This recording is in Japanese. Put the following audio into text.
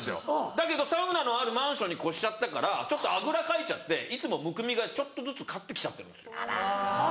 だけどサウナのあるマンションに越しちゃったからちょっとあぐらかいちゃっていつもむくみがちょっとずつ勝ってきちゃってるんです。